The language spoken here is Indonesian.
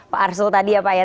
pak arsul tadi ya pak ya